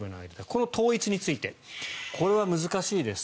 この統一についてこれは難しいです。